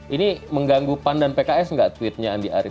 ini mengganggu pandan pks nggak tweetnya andi arief